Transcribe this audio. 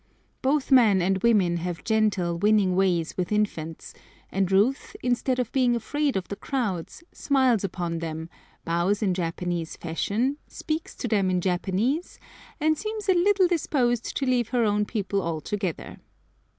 Both men and women have gentle, winning ways with infants, and Ruth, instead of being afraid of the crowds, smiles upon them, bows in Japanese fashion, speaks to them in Japanese, and seems a little disposed to leave her own people altogether.